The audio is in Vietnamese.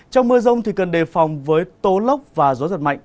trong mưa rông thì cần đề phòng với tố lóc và gió giật mạnh